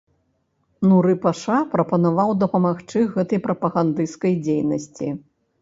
Нуры-паша прапанаваў дапамагчы гэтай прапагандысцкай дзейнасці.